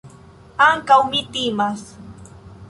Ankaŭ mi timas.